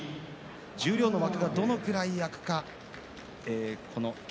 十両の枠がどのぐらい空くか。